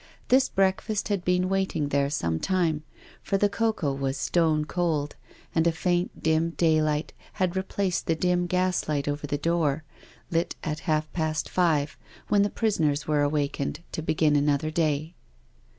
This breakfast had been waiting there some time, for the cocoa was stone cold, and a faint, dim daylight had replaced the dim gaslight over the door, lit at half past five, when the prisoners were awakened to begin another day.